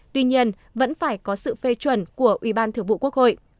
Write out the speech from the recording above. tuy nhiên vẫn phải có sự phê chuẩn của ủy ban thượng vụ quốc hội